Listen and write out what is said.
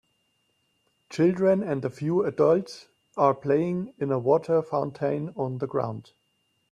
Children and a few adults are playing in a water fountain on the ground.